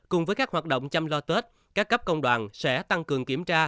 cùng với các hoạt động chăm lo tết các cấp công đoàn sẽ tăng cường kiểm tra